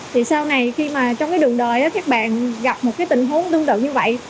thì sau này khi mà trong cái đường đời đó các bạn gặp một cái tình huống tương tự như vậy